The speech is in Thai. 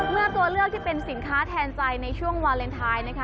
ตัวเลือกที่เป็นสินค้าแทนใจในช่วงวาเลนไทยนะคะ